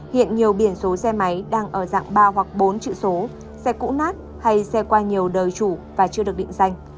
hiện nhiều biển số xe máy đang ở dạng ba hoặc bốn chữ số xe cũ nát hay xe qua nhiều đời chủ và chưa được định danh